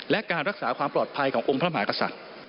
และการรักษาความปลอดภัยขององค์พระมหากษัตริย์